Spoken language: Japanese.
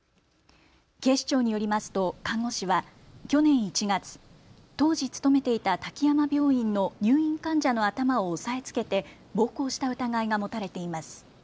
警視庁によりますと看護師は去年１月、当時勤めていた滝山病院の入院患者の頭を押さえつけて暴行した疑いが持たれています。